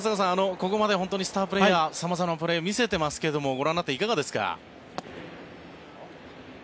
ここまでスタープレーヤー様々なプレーを見せてますけどもご覧になっていかがですか？